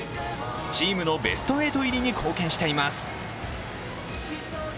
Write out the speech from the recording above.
チームのベスト８入りに貢献しています。